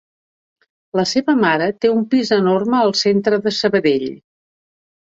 La seva mare té un pis enorme al centre de Sabadell.